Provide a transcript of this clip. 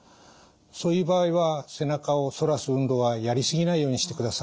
そういう場合は背中を反らす運動はやり過ぎないようにしてください。